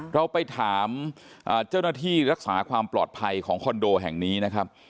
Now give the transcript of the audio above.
เราไปถามเจ้าหน้าที่รักษาความปลอดภัยของคอนโดแห่งนี้นะครับ